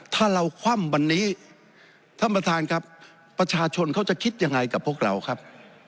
ถ้าเราคว่ำวันนี้ท่านประธานครับประชาชนเขาจะคิดยังไงกับพวกเราครับ